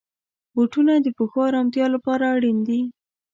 بوټونه د پښو آرامتیا لپاره اړین دي.